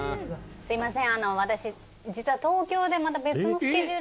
「すみません！